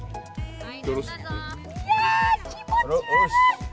いやー、気持ち悪い！